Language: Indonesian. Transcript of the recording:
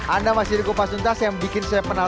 anda mas jiri kupas duntas yang bikin saya penasaran tadi